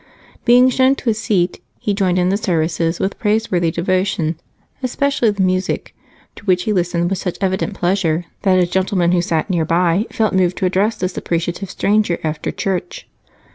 Being shown to a seat, he joined in the services with praiseworthy devotion, especially the music, to which he listened with such evident pleasure that a gentleman who sat nearby felt moved to address this appreciative stranger after church.